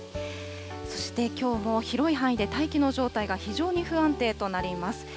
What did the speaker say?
そして、きょうも広い範囲で大気の状態が非常に不安定となります。